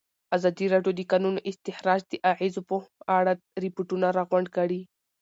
ازادي راډیو د د کانونو استخراج د اغېزو په اړه ریپوټونه راغونډ کړي.